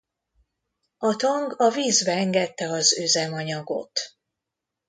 A tank a vízbe engedte az üzemanyagot.